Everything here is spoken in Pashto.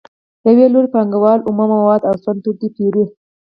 له یو لوري پانګوال اومه مواد او سون توکي پېري